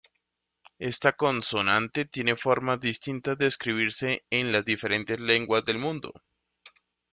Esta consonante tiene formas distintas de escribirse en las diferentes lenguas del mundo.